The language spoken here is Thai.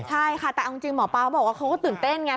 ใช่ค่ะแต่เอาจริงหมอปลาบอกว่าเขาก็ตื่นเต้นไง